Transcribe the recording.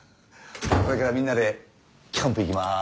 これからみんなでキャンプ行きまーす。